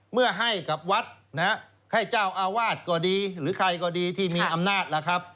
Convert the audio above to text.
เมื่อให้กับวัดนะฮะให้เจ้าอาวาสก็ดีหรือใครก็ดีที่มีอำนาจล่ะครับ